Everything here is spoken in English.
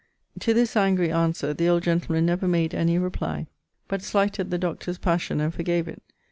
To this angry answer the old gentleman never made any reply, but slighted the Dr's passion and forgave it.